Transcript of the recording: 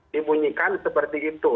dibunyikan seperti itu